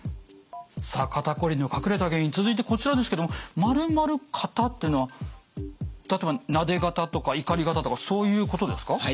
さあ肩こりの隠れた原因続いてこちらですけども「○○肩」っていうのは例えばなで肩とかいかり肩とかそういうことですか？